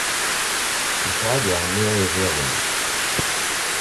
Yesɣa-d ɛemmi aydi iḍelli.